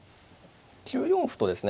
９四歩とですね